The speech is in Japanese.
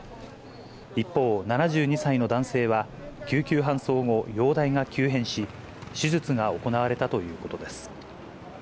一方、７２歳の男性は、救急搬送後、容体が急変し、手術が行われたということです。